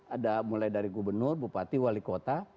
ada mulai dari gubernur bupati wali kota